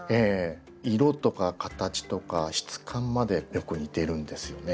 色とか形とか質感までよく似てるんですよね。